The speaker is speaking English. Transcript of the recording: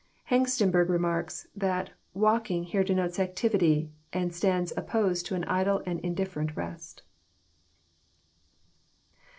*' Hengstenberg remarks, that '* walking here denotes activity, and stands opposed to an idle and indifferent rest."